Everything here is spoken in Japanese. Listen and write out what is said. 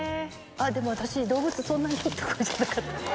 でも私、動物、そんなに得意じゃなかった。